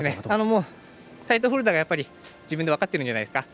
タイトルホルダーが自分で分かっているんじゃないですか。